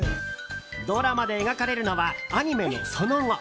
ドラマで描かれるのはアニメのその後。